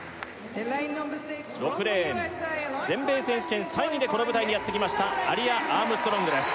６レーン全米選手権３位でこの舞台にやってきましたアリア・アームストロングです